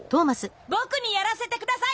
僕にやらせて下さい！